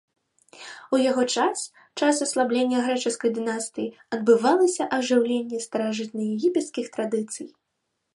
У яго час, час аслаблення грэчаскай дынастыі, адбывалася ажыўленне старажытнаегіпецкіх традыцый.